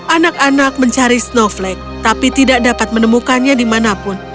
anak anak mencari snowflake tapi tidak dapat menemukannya dimanapun